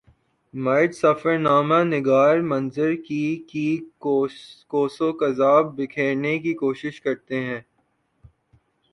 مرد سفر نامہ نگار منظر کی کی قوس و قزح بکھیرنے کی کوشش کرتے ہیں